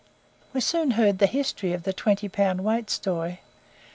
We soon heard the history of the "twenty pound weight" story.